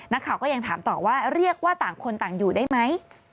นักข่าวก็ยังถามต่อว่าเรียกว่าต่างคนต่างอยู่ได้ไหม